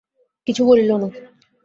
কিছু বলিল না।